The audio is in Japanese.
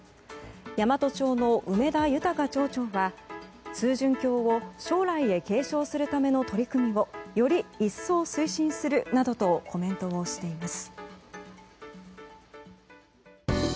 山都町の梅田穰町長は通潤橋を将来へ継承するための取り組みをより一層推進するなどとコメントをしています。